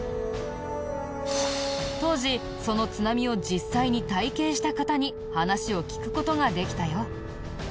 当時その津波を実際に体験した方に話を聞く事ができたよ。